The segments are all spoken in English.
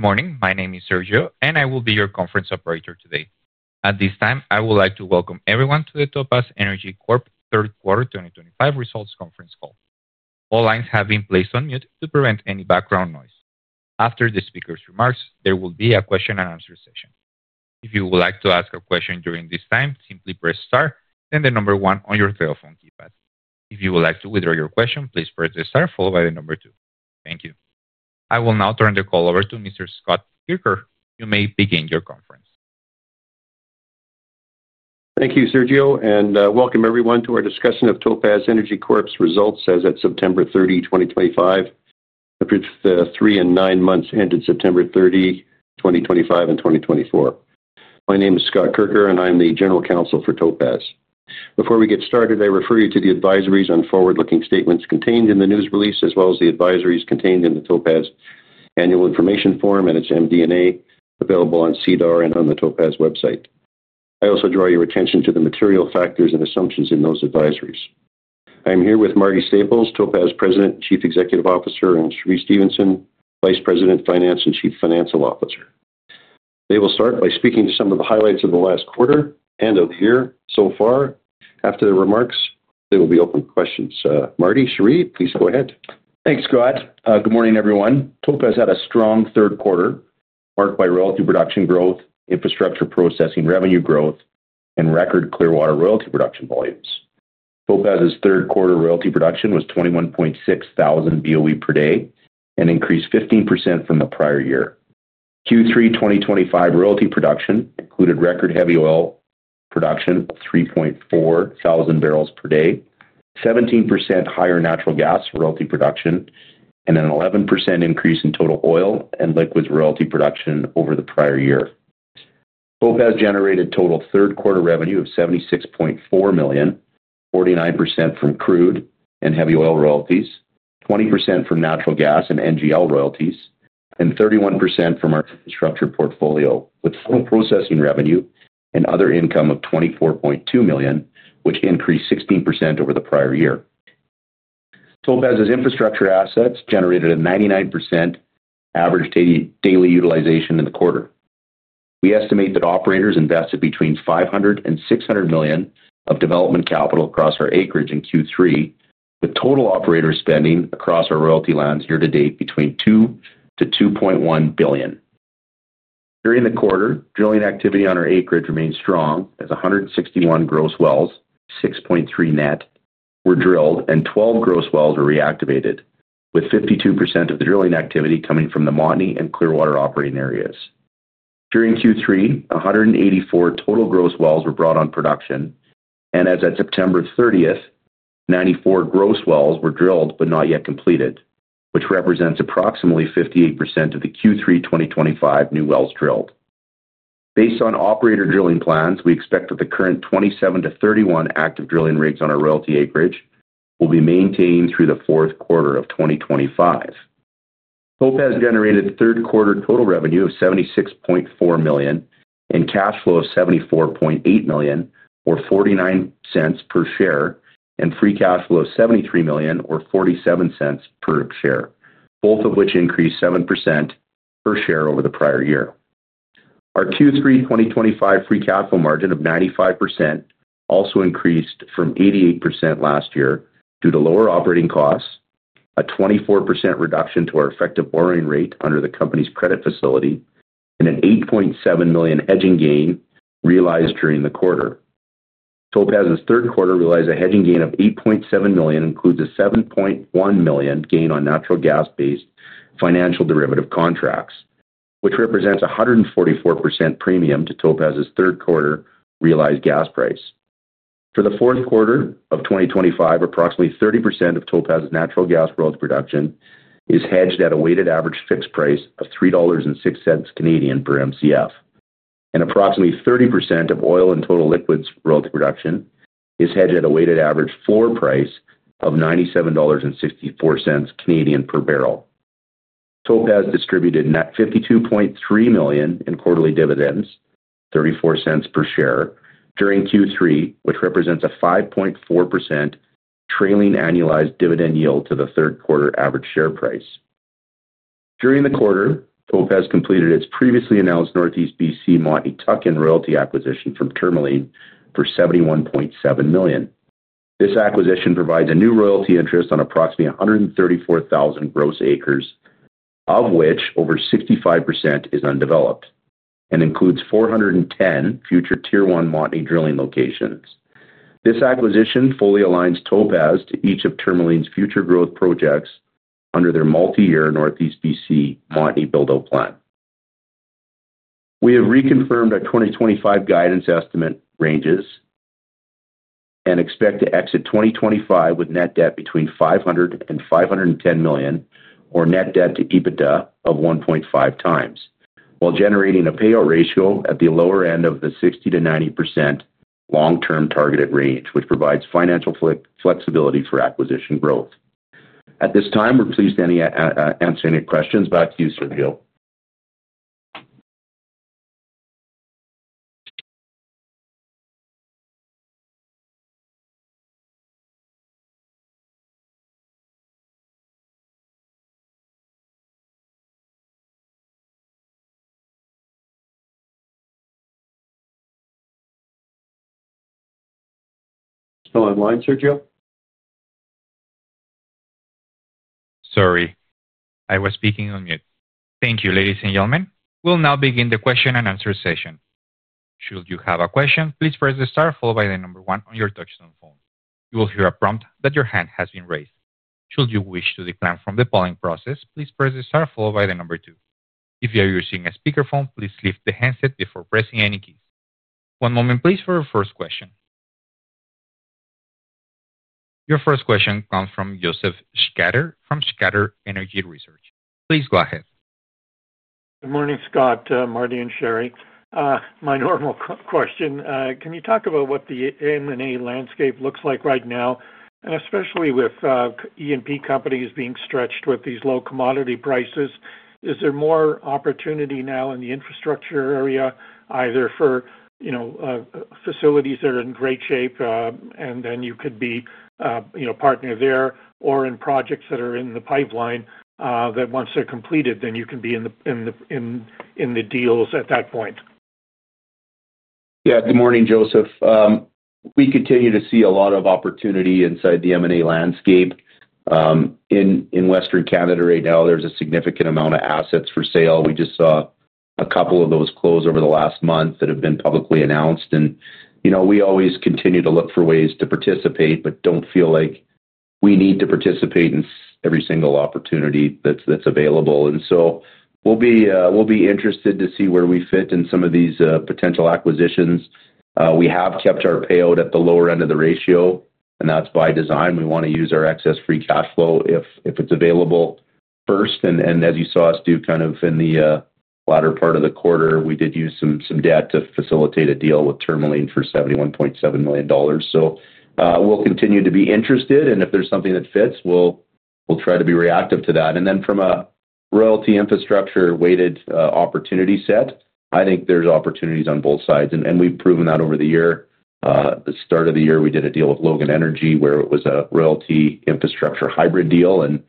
Good morning. My name is Sergio, and I will be your conference operator today. At this time, I would like to welcome everyone to the Topaz Energy Corp third quarter 2025 results conference call. All lines have been placed on mute to prevent any background noise. After the speaker's remarks, there will be a question-and-answer session. If you would like to ask a question during this time, simply press star, then the number one on your telephone keypad. If you would like to withdraw your question, please press the star, followed by the number two. Thank you. I will now turn the call over to Mr. Scott Kirker. You may begin your conference. Thank you, Sergio, and welcome everyone to our discussion of Topaz Energy Corp's results as of September 30, 2025. The three and nine months ended September 30, 2025, and 2024. My name is Scott Kirker, and I'm the general counsel for Topaz. Before we get started, I refer you to the advisories on forward-looking statements contained in the news release, as well as the advisories contained in the Topaz annual information form and its MD&A available on SEDAR and on the Topaz website. I also draw your attention to the material factors and assumptions in those advisories. I am here with Marty Staples, Topaz President, Chief Executive Officer, and Cheree Stephenson, Vice President, Finance, and Chief Financial Officer. They will start by speaking to some of the highlights of the last quarter and of the year so far. After their remarks, there will be open questions. Marty, Cheree, please go ahead. Thanks, Scott. Good morning, everyone. Topaz had a strong third quarter marked by royalty production growth, infrastructure processing revenue growth, and record Clearwater royalty production volumes. Topaz's third quarter royalty production was 21,600 BOE per day and increased 15% from the prior year. Q3 2025 royalty production included record heavy oil production of 3,400 bbl per day, 17% higher natural gas royalty production, and an 11% increase in total oil and liquids royalty production over the prior year. Topaz generated total third quarter revenue of 76.4 million, 49% from crude and heavy oil royalties, 20% from natural gas and NGL royalties, and 31% from our infrastructure portfolio, with total processing revenue and other income of 24.2 million, which increased 16% over the prior year. Topaz's infrastructure assets generated a 99% average daily utilization in the quarter. We estimate that operators invested between 500 million and 600 million of development capital across our acreage in Q3, with total operator spending across our royalty lands year to date between 2 billion-2.1 billion. During the quarter, drilling activity on our acreage remained strong as 161 gross wells, 6.3 net, were drilled, and 12 gross wells were reactivated, with 52% of the drilling activity coming from the Montney and Clearwater operating areas. During Q3, 184 total gross wells were brought on production, and as of September 30th, 94 gross wells were drilled but not yet completed, which represents approximately 58% of the Q3 2025 new wells drilled. Based on operator drilling plans, we expect that the current 27-31 active drilling rigs on our royalty acreage will be maintained through the fourth quarter of 2025. Topaz generated third quarter total revenue of 76.4 million and cash flow of 74.8 million, or 0.49 per share, and free cash flow of 73 million, or 0.47 per share, both of which increased 7% per share over the prior year. Our Q3 2025 free cash flow margin of 95% also increased from 88% last year due to lower operating costs, a 24% reduction to our effective borrowing rate under the company's credit facility, and a 8.7 million hedging gain realized during the quarter. Topaz's third quarter realized a hedging gain of 8.7 million includes a 7.1 million gain on natural gas-based financial derivative contracts, which represents a 144% premium to Topaz's third quarter realized gas price. For the fourth quarter of 2025, approximately 30% of Topaz's natural gas growth production is hedged at a weighted average fixed price of 3.06 Canadian dollars per MCF, and approximately 30% of oil and total liquids growth production is hedged at a weighted average floor price of 97.64 Canadian dollars per barrel. Topaz distributed 52.3 million in quarterly dividends, 0.34 per share, during Q3, which represents a 5.4% trailing annualized dividend yield to the third quarter average share price. During the quarter, Topaz completed its previously announced Northeast BC Montney tuck-in royalty acquisition from Tourmaline for 71.7 million. This acquisition provides a new royalty interest on approximately 134,000 gross acres, of which over 65% is undeveloped, and includes 410 future tier-one Montney drilling locations. This acquisition fully aligns Topaz to each of Tourmaline's future growth projects under their multi-year Northeast BC Montney build-out plan. We have reconfirmed our 2025 guidance estimate ranges and expect to exit 2025 with net debt between 500 million and 510 million, or net debt to EBITDA of 1.5 times, while generating a payout ratio at the lower end of the 60%-90% long-term targeted range, which provides financial flexibility for acquisition growth. At this time, we're pleased to answer any questions. Back to you, Sergio. Still online, Sergio? Sorry, I was speaking on mute. Thank you, ladies and gentlemen. We'll now begin the question-and-answer session. Should you have a question, please press the star, followed by the number one on your touch-tone phone. You will hear a prompt that your hand has been raised. Should you wish to decline from the polling process, please press the star, followed by the number two. If you are using a speakerphone, please lift the handset before pressing any keys. One moment, please, for your first question. Your first question comes from Josef Schachter from Schachter Energy Research. Please go ahead. Good morning, Scott, Marty, and Cheree. My normal question: can you talk about what the M&A landscape looks like right now, and especially with E&P companies being stretched with these low commodity prices? Is there more opportunity now in the infrastructure area, either for facilities that are in great shape, and then you could be a partner there, or in projects that are in the pipeline that, once they're completed, then you can be in the deals at that point? Yeah, good morning, Josef. We continue to see a lot of opportunity inside the M&A landscape. In Western Canada right now, there's a significant amount of assets for sale. We just saw a couple of those close over the last month that have been publicly announced, and we always continue to look for ways to participate, but don't feel like we need to participate in every single opportunity that's available, and so we'll be interested to see where we fit in some of these potential acquisitions. We have kept our payout at the lower end of the ratio, and that's by design. We want to use our excess free cash flow if it's available first, and as you saw us do kind of in the latter part of the quarter, we did use some debt to facilitate a deal with Tourmaline for 71.7 million dollars, so we'll continue to be interested, and if there's something that fits, we'll try to be reactive to that, and then from a royalty infrastructure weighted opportunity set, I think there's opportunities on both sides, and we've proven that over the year. The start of the year, we did a deal with Logan Energy where it was a royalty infrastructure hybrid deal, and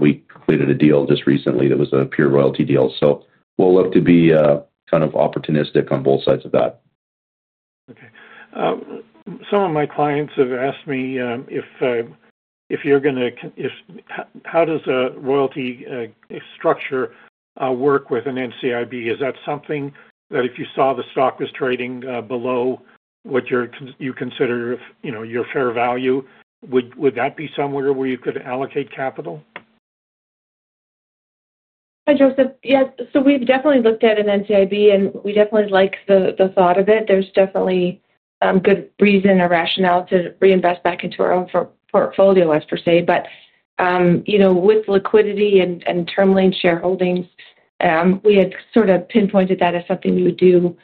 we completed a deal just recently that was a pure royalty deal, so we'll look to be kind of opportunistic on both sides of that. Okay. Some of my clients have asked me if you're going to. How does a royalty structure work with an NCIB? Is that something that if you saw the stock was trading below what you consider your fair value, would that be somewhere where you could allocate capital? Hi, Josef. Yes. So we've definitely looked at an NCIB, and we definitely like the thought of it. There's definitely good reason or rationale to reinvest back into our own portfolio, I should say. But. With liquidity and Tourmaline shareholdings, we had sort of pinpointed that as something we would do.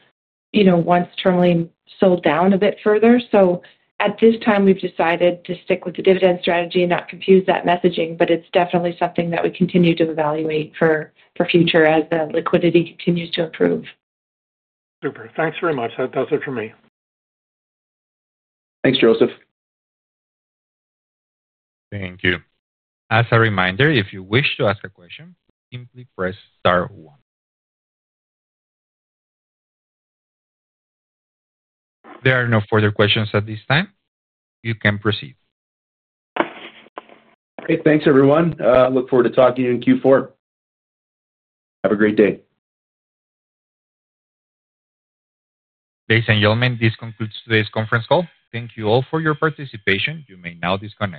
Once Tourmaline sold down a bit further. So at this time, we've decided to stick with the dividend strategy and not confuse that messaging, but it's definitely something that we continue to evaluate for future as the liquidity continues to improve. Super. Thanks very much. That's it for me. Thanks, Josef. Thank you. As a reminder, if you wish to ask a question, simply press star one. There are no further questions at this time. You can proceed. Great. Thanks, everyone. Look forward to talking to you in Q4. Have a great day. Ladies and gentlemen, this concludes today's conference call. Thank you all for your participation. You may now disconnect.